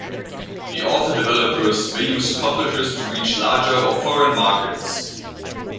The author-developers may use publishers to reach larger or foreign markets.